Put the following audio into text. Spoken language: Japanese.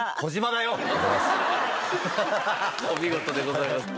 お見事でございます。